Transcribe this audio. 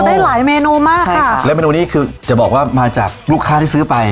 ได้หลายเมนูมากใช่ค่ะแล้วเมนูนี้คือจะบอกว่ามาจากลูกค้าที่ซื้อไป